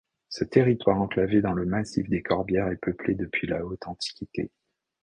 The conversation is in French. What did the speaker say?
Ce territoire enclavé dans le Massif des Corbières est peuplé depuis la Haute Antiquité.